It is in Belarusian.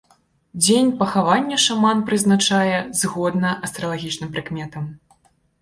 Дзень пахавання шаман прызначае згодна астралагічным прыкметам.